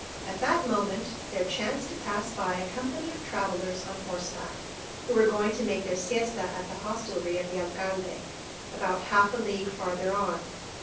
At that moment there chanced to pass by a company of travellers on horseback, who were going to make their siesta at the hostelry of the Alcalde, about half a league farther on.